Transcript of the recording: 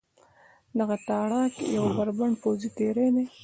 دغه تاړاک یو بربنډ پوځي تېری دی.